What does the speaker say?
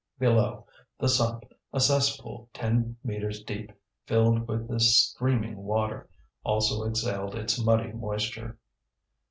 Below, the sump, a cesspool ten metres deep, filled with this streaming water, also exhaled its muddy moisture.